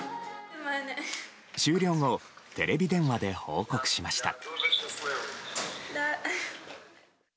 終了後テレビ電話で報告しました。